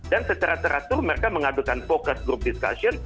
dan secara teratur mereka mengadukan focus group discussion